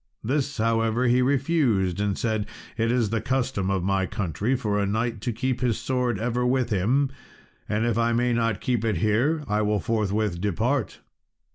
This, however, he refused, and said, "It is the custom of my country for a knight to keep his sword ever with him; and if I may not keep it here, I will forthwith depart."